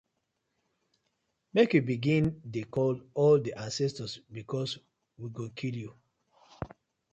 Mek yu begin de call all de ancestors because we go kill yu.